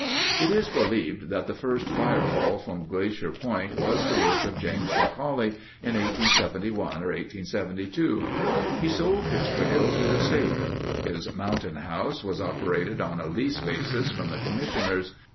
It is believed that the first firefall from Glacier Point was the work of James McCauley in 1871 or 1872. He sold his trail to the state. His Mountain House was operated on a lease basis from the commissioners.